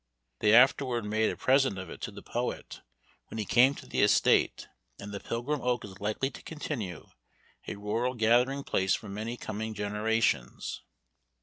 They afterward made a present of it to the poet, when he came to the estate, and the Pilgrim Oak is likely to continue a rural gathering place for many coming generations.